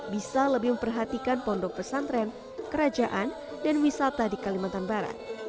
bisa lebih memperhatikan pondok pesantren kerajaan dan wisata di kalimantan barat